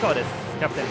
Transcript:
キャプテン。